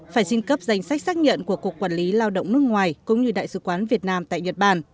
phải xin cấp danh sách xác nhận của cục quản lý lao động nước ngoài cũng như đại sứ quán việt nam tại nhật bản